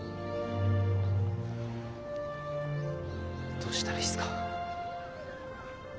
どうしたらいいすか？